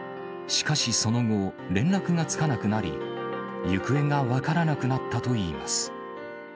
しかし、その後、連絡がつかなくなり、行方が分からなくなったといいます。